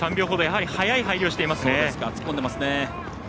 やはり速い入りをしていますね。